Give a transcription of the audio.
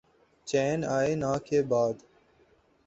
چین آئے نہ کے بعد